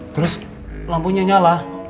terus lampunya nyala